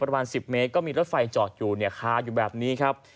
ประมาณ๑๐เมตรก็มีรถไฟจอดอยู่เนี่ยคาอยู่แบบนี้ครับ